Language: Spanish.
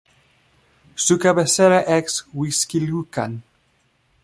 Su cabecera es Huixquilucan.